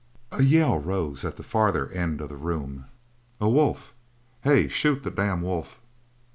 A yell rose at the farther end of the room. "A wolf! Hey! Shoot the damn wolf!"